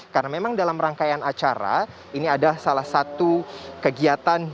karena memang dalam rangkaian acara ini ada salah satu kegiatan